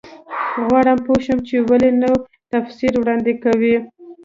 غواړم پوه شم چې ولې نوی تفسیر وړاندې کوي.